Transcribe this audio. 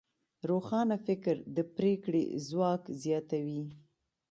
روښانه فکر د پرېکړې ځواک زیاتوي.